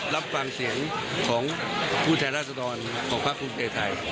รับฟังเสียงของผู้ทางราศาสตรอนของพระครูเจไทยให้